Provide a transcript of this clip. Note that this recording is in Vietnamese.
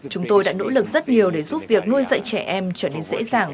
chúng tôi đã nỗ lực rất nhiều để giúp việc nuôi dạy trẻ em trở nên dễ dàng